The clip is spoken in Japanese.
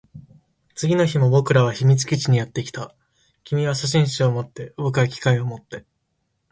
次の日も僕らは秘密基地にやってきた。君は写真集を持って、僕は機械を持って。